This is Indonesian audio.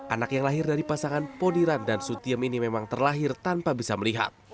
anak yang lahir dari pasangan podiran dan sutiem ini memang terlahir tanpa bisa melihat